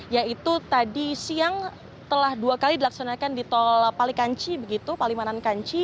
yaitu tadi siang telah dua kali dilaksanakan di tol palikanci begitu palimanan kanci